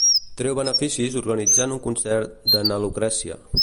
Treu beneficis organitzant un concert de na Lucrècia.